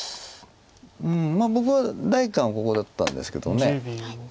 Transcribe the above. うん僕は第一感はここだったんですけど。